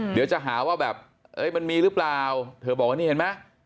เดี๋ยวจะหาว่าแบบมันมีหรือเปล่าเธอบอกว่านี่เห็นไหม